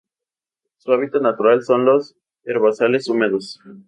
Su hábitat natural son los herbazales húmedos.